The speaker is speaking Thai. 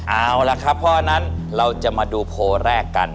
เอาล่ะครับเพราะฉะนั้นเราจะมาดูโพลแรกกัน